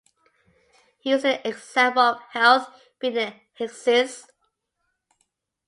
He uses the example of "health" being a "hexis".